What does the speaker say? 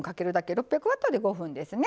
６００ワットで５分ですね。